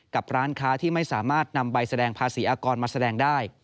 ร้านค้าที่ไม่สามารถนำใบแสดงภาษีอากรมาแสดงได้